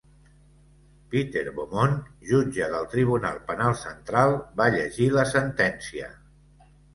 Peter Beaumont, jutge del Tribunal Penal Central, va llegir la sentència.